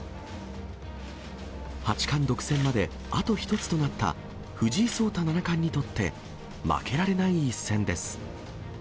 八冠独占まであと１つとなった藤井聡太七冠にとって、負けられない一戦です。